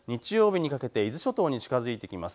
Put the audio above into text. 日曜日にかけて伊豆諸島に近づいてきます。